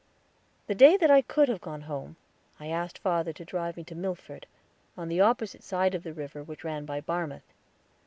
The day that I could have gone home, I asked father to drive me to Milford, on the opposite side of the river which ran by Barmouth.